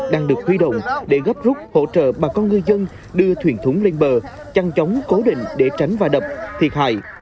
đang được huy động để gấp rút hỗ trợ bà con ngư dân đưa thuyền thúng lên bờ chăn chóng cố định để tránh và đập thiệt hại